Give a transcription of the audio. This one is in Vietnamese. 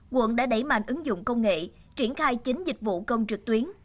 quận đã đẩy mạnh ứng dụng công nghệ triển khai chính dịch vụ công trực tuyến